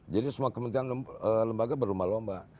jadi semua kementrian lembaga berlomba lomba